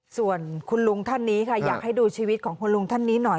ส่วนคุณลุงท่านนี้ค่ะอยากให้ดูชีวิตของคุณลุงท่านนี้หน่อย